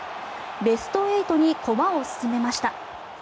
ベスト８に駒を進めました。